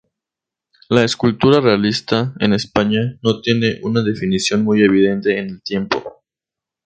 La escultura realista en España no tiene una definición muy evidente en el tiempo.